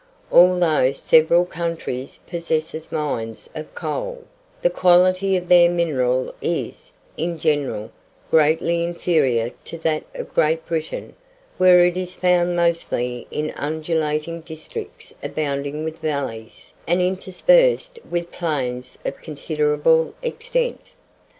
Although several countries possess mines of coal, the quality of their mineral is, in general, greatly inferior to that of Great Britain, where it is found mostly in undulating districts abounding with valleys, and interspersed with plains of considerable extent.